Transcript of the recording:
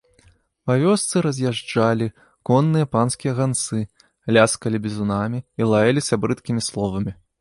Па вёсцы раз'язджалі конныя панскія ганцы, ляскалі бізунамі і лаяліся брыдкімі словамі.